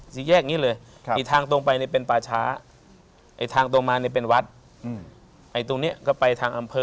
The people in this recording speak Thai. สี่แยกนี้เลยอีกทางตรงไปเนี่ยเป็นป่าช้าไอ้ทางตรงมาเนี่ยเป็นวัดไอ้ตรงนี้ก็ไปทางอำเภอ